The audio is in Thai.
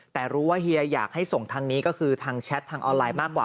แต่รู้ว่าเฮียอยากให้ส่งทางนี้ก็คือทางแชททางออนไลน์มากกว่า